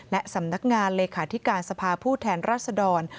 และสำนักงานเลขาธิการสภาผู้แทนรัศดร